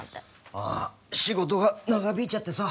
ああ仕事が長引いちゃってさ。